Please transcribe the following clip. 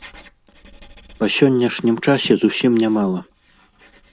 Па сённяшнім часе зусім не мала.